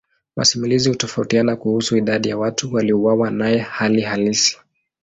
Masimulizi hutofautiana kuhusu idadi ya watu waliouawa naye hali halisi.